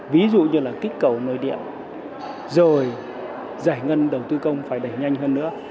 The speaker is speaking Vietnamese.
ví dụ như là kích cầu nội địa rồi giải ngân đầu tư công phải đẩy nhanh hơn nữa